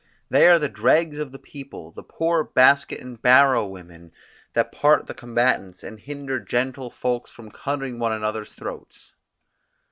They are the dregs of the people, the poor basket and barrow women, that part the combatants, and hinder gentle folks from cutting one another's throats.